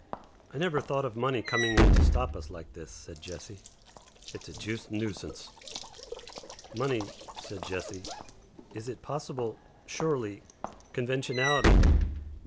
"I never thought of money coming in to stop us like this," said Jessie. "It's a juiced nuisance." "Money," said Jessie. "Is it possible Surely! Conventionality!